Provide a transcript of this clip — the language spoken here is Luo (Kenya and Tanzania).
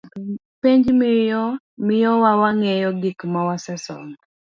Penj miyowa wangeyo gik ma wasesomo.